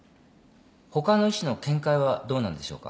他の医師の見解はどうなんでしょうか。